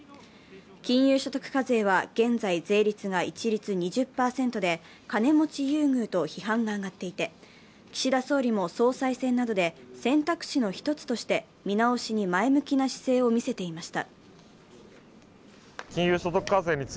金融所得課税は現在、税率が一律２０％で金持ち優遇と批判が上がっていて、岸田総理も総裁選などで選択肢の１つとして見直しに前向きな姿勢を見せていました。